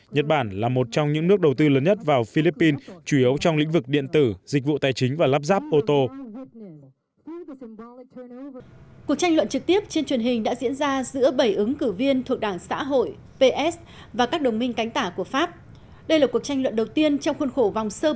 nhật bản là một trong những nước đầu tư lớn nhất vào philippines chủ yếu trong lĩnh vực điện tử dịch vụ tài chính và lắp ráp ô tô